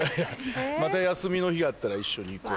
また休みの日あったら一緒に行こう。